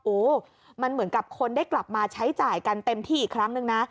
โอ้โหมันเหมือนกับคนได้กลับมาใช้จ่ายกันเต็มที่อีกครั้งนึงนะ